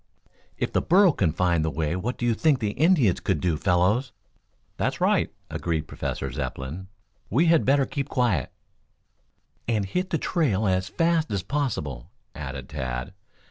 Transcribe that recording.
"If the burro can find the way what do you think an Indian could do, fellows?" "That's right," agreed Professor Zepplin. "We had better keep quiet " "And hit the trail as fast as possible," added Tad.